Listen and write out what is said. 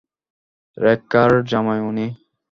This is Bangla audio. রেখা- র জামাই উনি।